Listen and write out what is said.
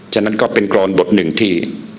ฉะนั้นก็เป็นกรอนบทหนึ่งที่